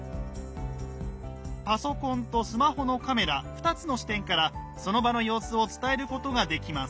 パソコンとスマホのカメラ２つの視点からその場の様子を伝えることができます。